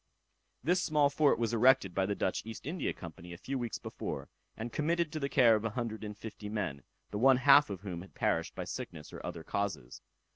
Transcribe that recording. This small fort was erected by the Dutch East India Company a few weeks before, and committed to the care of 150 men, the one half of whom had perished by sickness or other causes.